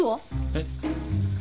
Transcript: えっ。